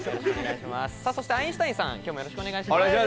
そしてアインシュタインさん、今日もよろしくお願いします。